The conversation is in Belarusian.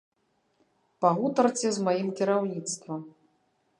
Пагутарце з маім кіраўніцтвам.